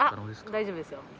大丈夫ですよ。